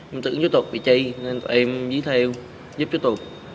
em tưởng chú tục bị chây nên tụi em giấy theo giúp chú tục